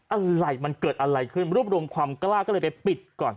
อะไรมันเกิดอะไรขึ้นรูปรวมความกล้าก็เลยไปปิดก่อน